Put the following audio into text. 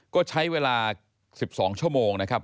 ก็ใช้เวลา๑๒ชั่วโมงนะครับ